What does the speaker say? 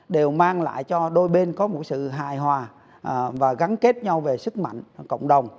đều mang lại cho đôi bên có một sự hài hòa và gắn kết nhau về sức mạnh cộng đồng